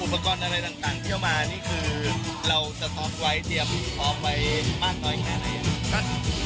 อุปกรณ์อะไรต่างที่เอามานี่คือเราสต๊อกไว้เตรียมพร้อมไว้มากน้อยแค่ไหนครับ